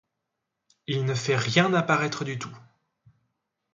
Il ne fait rien apparaître du tout